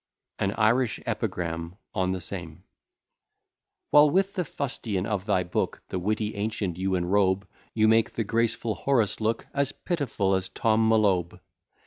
AN IRISH EPIGRAM ON THE SAME While with the fustian of thy book, The witty ancient you enrobe, You make the graceful Horace look As pitiful as Tom M'Lobe.